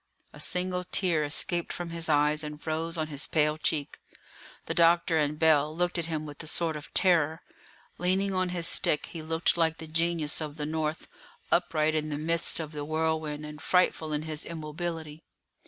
A single tear escaped from his eyes and froze on his pale cheek. The doctor and Bell looked at him with a sort of terror. Leaning on his stick, he looked like the genius of the North, upright in the midst of the whirlwind, and frightful in his immobility.